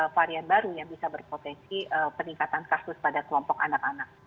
varian baru yang bisa berpotensi peningkatan kasus pada kelompok anak anak